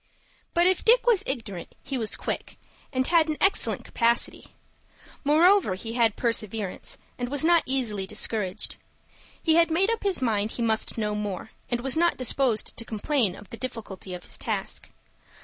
But if Dick was ignorant, he was quick, and had an excellent capacity. Moreover he had perseverance, and was not easily discouraged. He had made up his mind he must know more, and was not disposed to complain of the difficulty of his task.